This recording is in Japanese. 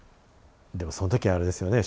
でもその時あれですよね